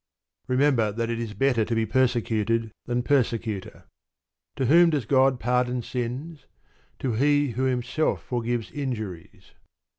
Remember that it is better to be persecuted than persecutor. To whom does God pardon sins? To him who himself forgives injuries.